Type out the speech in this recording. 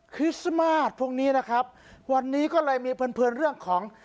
คริสต์มาร์ทพรุ่งนี้นะครับวันนี้ก็เลยมีเพลินเพลินเรื่องของ